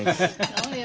そうよ。